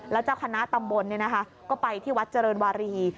แล้วเจ้าคณะตำบลก็ไปที่วัดเจริญวารี